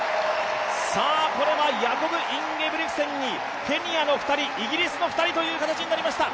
これはヤコブ・インゲブリクセンにケニアの２人イギリスの２人という形になりました。